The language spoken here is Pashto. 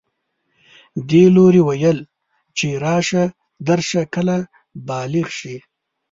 دې لوري ویل چې راشه درشه کله بالغ شي